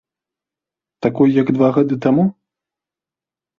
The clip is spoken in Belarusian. Такой, як два гады таму?